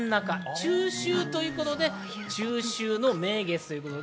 中秋ということで中秋の名月となりました。